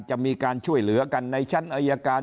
จะมีการช่วยเหลือกันในชั้นอายการ